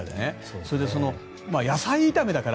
それで、野菜炒めだから。